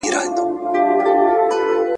راسه راسه شل کلنی خوله پر خوله باندی را کښېږده ..